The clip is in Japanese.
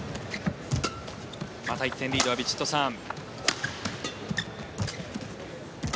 また１点リードはヴィチットサーン。